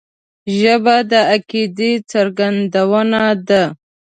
ژبه د عقیدې څرګندونه ده